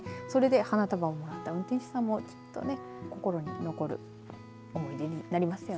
それで花束をもらった運転手さんも心に残る思い出になりますよね。